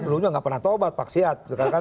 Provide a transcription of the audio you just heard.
belumnya nggak pernah tobat paksiat